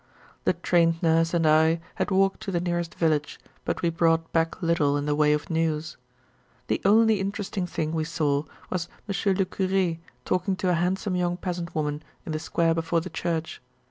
The Trained Nurse and I had walked to the nearest village, but we brought back little in the way of news. The only interesting thing we saw was Monsieur le Curé talking to a handsome young peasant woman in the square before the church.